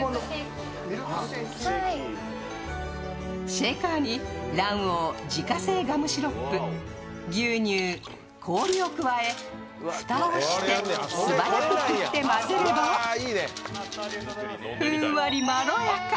シェイカーに卵黄、自家製ガムシロップ、牛乳、氷を加え蓋をしてすばやく振って混ぜればふんわりまろやか！